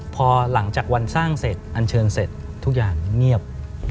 พอหลังจากวันสร้างเสร็จอันเชิญเสร็จทุกอย่างเงียบ